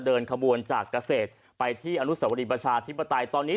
เดินขบวนจากเกษตรไปที่อนุสวรีประชาธิปไตยตอนนี้